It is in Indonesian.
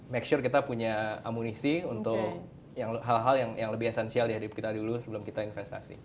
make sure kita punya amunisi untuk hal hal yang lebih esensial di hadap kita dulu sebelum kita investasi